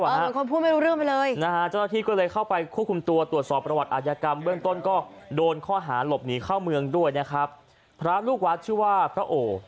เป็นคนพูดไม่รู้เรื่องไปเลยนะฮะเจ้าหน้าที่ก็เลยเข้าไปควบคุมตัวตรวจสอบประวัติอาชญากรรมเบื้องต้นก็โดนข้อหาหลบหนีเข้าเมืองด้วยนะครับพระลูกวัดชื่อว่าพระโอ